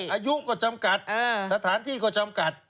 อายุก็จำกัดสถานที่ก็จำกัด